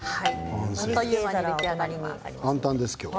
あっという間に出来上がります。